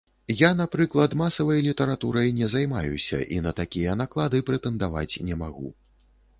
Я, напрыклад, масавай літаратурай не займаюся, і на такія наклады прэтэндаваць не магу.